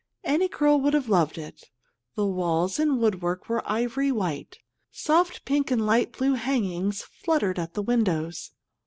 Any girl would have loved it. The walls and woodwork were ivory white. Soft pink and light blue hangings fluttered at the windows.